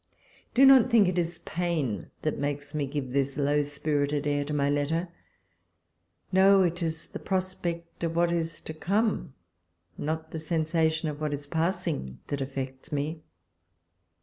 Do not think it is pain that makes me give this low spirited air to my letter. No, it is the pros pect of what is to come, not the sensation of ■what is passing, that affects mc.